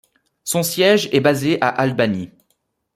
Son siège est basé à Albany.